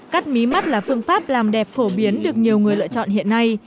cắt mí mắt là phương pháp làm đẹp phổ biến được nhiều người lựa chọn hiện nay